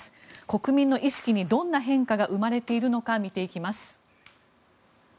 国民の意識にどんな変化が生まれているのか見ていきます。